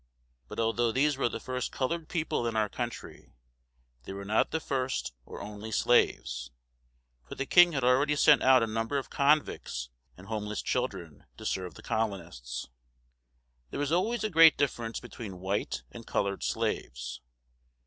But although these were the first colored people in our country, they were not the first or only slaves, for the king had already sent out a number of convicts and homeless children to serve the colonists. There was always a great difference between white and colored slaves.